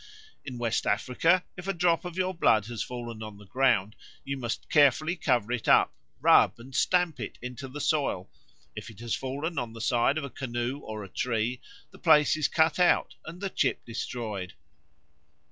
In West Africa, if a drop of your blood has fallen on the ground, you must carefully cover it up, rub and stamp it into the soil; if it has fallen on the side of a canoe or a tree, the place is cut out and the chip destroyed.